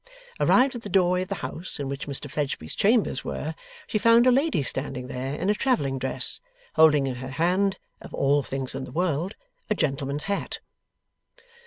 Arrived at the doorway of the house in which Mr Fledgeby's chambers were, she found a lady standing there in a travelling dress, holding in her hand of all things in the world a gentleman's hat.